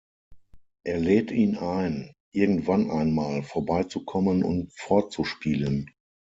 Er lädt ihn ein, irgendwann einmal vorbeizukommen und vorzuspielen.